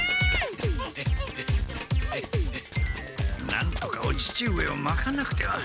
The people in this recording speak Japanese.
なんとかお父上をまかなくては。